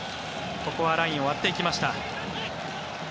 ここはラインを割っていきました。